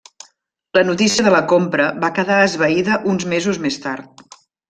La notícia de la compra va quedar esvaïda uns mesos més tard.